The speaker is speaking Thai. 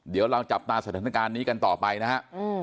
เดี๋ยวเราจับตาสถานการณ์นี้กันต่อไปนะฮะ